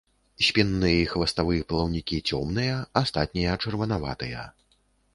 Спінны і хваставы плаўнікі цёмныя, астатнія чырванаватыя.